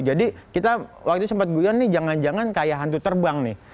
jadi kita waktu itu sempat guian nih jangan jangan kayak hantu terbang nih